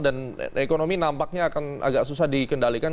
ekonomi nampaknya akan agak susah dikendalikan